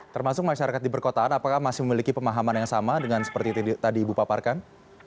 termasuk masyarakat di perkotaan apakah masih memiliki pemahaman yang sama dengan seperti tadi ibu paparkan